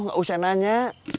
gak usah nanya